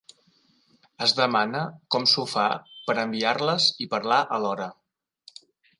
Es demana com s'ho fa per enviar-les i parlar alhora.